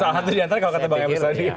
salah satu diantara kalau kata bang emrus tadi